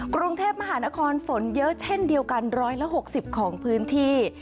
กรุงเทพมหานครฝนเยอะเช่นเดียวกัน๑๖๐ของพื้นที่